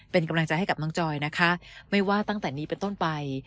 เป็นกำลังใจให้กับน้องจอยนะคะไม่ว่าตั้งแต่นี้เป็นต้นไป